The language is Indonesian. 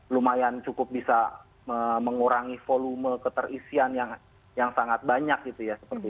lumayan cukup bisa mengurangi volume keterisian yang sangat banyak gitu ya